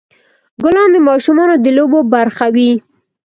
ګلان د ماشومانو د لوبو برخه وي.